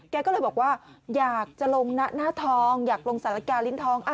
แกก็เลยบอกว่าอยากจะลงหน้าทองอยากลงสารกาลิ้นทอง